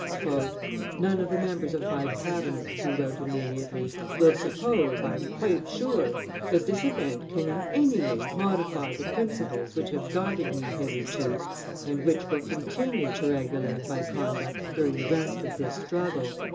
"None of the members of my cabinet," he wrote immediately, "will suppose, I am quite sure, that this event can in any way modify the principles which have guided me hitherto and which will continue to regulate my conduct during the rest of this struggle."